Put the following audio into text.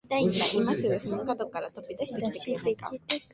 いまの銅駝中学の北にあった木戸孝允の住居跡に移りました